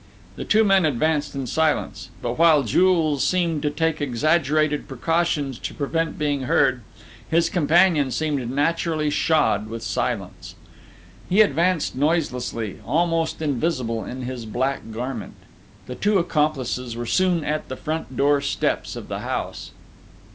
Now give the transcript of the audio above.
The two men advanced in silence. But, while Jules seemed to take exaggerated precautions to prevent being heard, his companion seemed naturally shod with silence. He advanced noiselessly, almost invisible in his black garment. The two accomplices were soon at the front door steps of the house.